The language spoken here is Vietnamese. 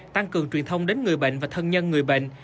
tăng cường truyền thông đến người bệnh và thân nhân người bệnh